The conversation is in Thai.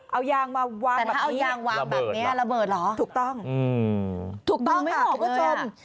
เอายางมาวางแบบนี้ระเบิดหรอถูกต้องถูกต้องค่ะคุณผู้ชม